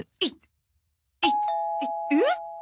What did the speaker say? えっ？